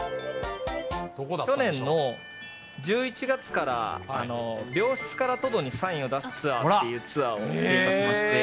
去年の１１月から、病室からトドにサインを出すツアーっていうツアーを企画しまして。